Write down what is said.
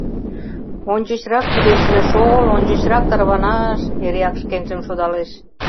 «Ончычрак кӱлеш ыле шол, ончычрак тарванаш», — эреак шкенжым шудалеш.